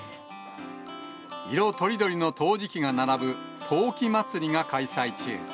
色とりどりの陶磁器が並ぶ陶器まつりが開催中。